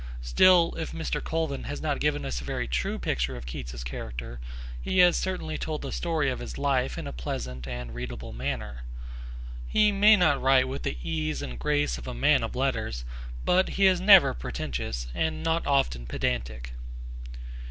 Still, if Mr. Colvin has not given us a very true picture of Keats's character, he has certainly told the story of his life in a pleasant and readable manner. He may not write with the ease and grace of a man of letters, but he is never pretentious and not often pedantic.